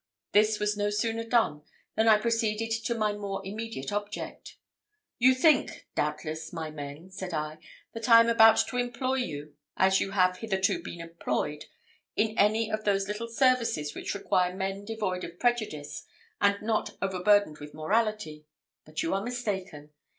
This was no sooner done, than I proceeded to my more immediate object. "You think, doubtless, my men," said I, "that I am about to employ you, as you have hitherto been employed, in any of those little services which require men devoid of prejudice, and not over burdened with morality; but you are mistaken.